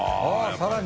さらに！